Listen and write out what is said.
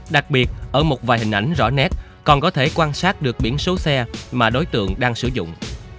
đặc biệt ở một vài hình ảnh rõ nét còn có thể quan sát được biển số xe mà đối tượng đang sử dụng